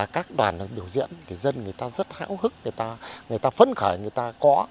các đoàn được biểu diễn thì dân người ta rất hão hức người ta phấn khởi người ta có